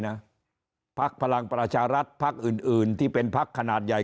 นะภักดิ์พลังประชารัฐภักดิ์อื่นที่เป็นภักดิ์ขนาดใหญ่